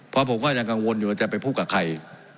เพราะผมก็ยังกังวลอยู่ว่าจะไปพูดกับใคร